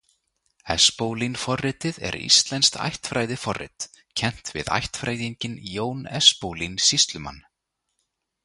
Espólín-forritið er íslenskt ættfræðiforrit, kennt við ættfræðinginn Jón Espólín sýslumann.